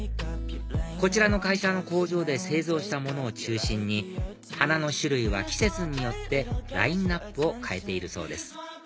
こちらの会社の工場で製造したものを中心に花の種類は季節によってラインアップを変えているそうです